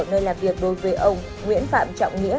nơi làm việc đối với ông nguyễn phạm trọng nghĩa